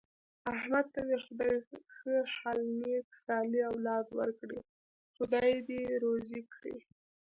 احمد ته خدای ښه حل نېک صالح اولاد ورکړی، خدای یې دې روزي کړي.